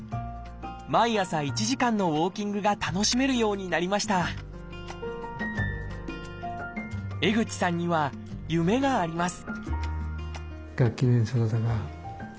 毎朝１時間のウォーキングが楽しめるようになりました江口さんには夢があります